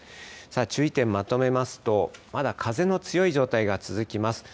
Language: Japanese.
注意点まとめますと、まだ風の強い状態が続きます。